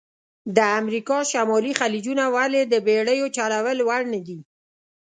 د امریکا شمالي خلیجونه ولې د بېړیو چلول وړ نه دي؟